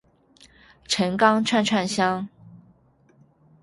陈钢串串香